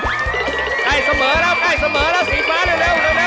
สวยน่ารัก